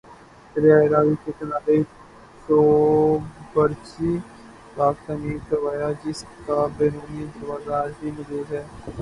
دریائے راوی کے کنارے چوبرجی باغ تعمیر کروایا جس کا بیرونی دروازہ آج بھی موجود ہے